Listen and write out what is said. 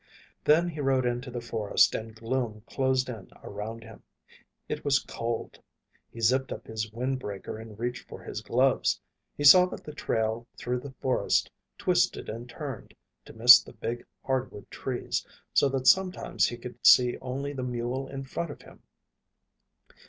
Then he rode into the forest and gloom closed in around him. It was cold. He zipped up his windbreaker and reached for his gloves. He saw that the trail through the forest twisted and turned to miss the big hardwood trees, so that sometimes he could see only the mule in front of him.